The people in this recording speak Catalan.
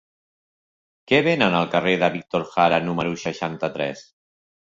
Què venen al carrer de Víctor Jara número seixanta-tres?